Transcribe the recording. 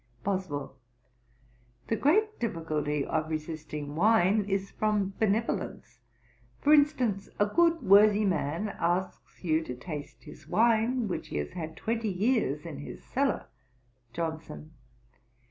BOSWELL. 'The great difficulty of resisting wine is from benevolence. For instance, a good worthy man asks you to taste his wine, which he has had twenty years in his cellar.' JOHNSON.